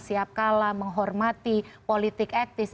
siap kalah menghormati politik etis